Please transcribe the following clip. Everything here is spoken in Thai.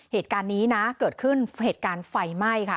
เหตุการณ์นี้นะเกิดขึ้นเหตุการณ์ไฟไหม้ค่ะ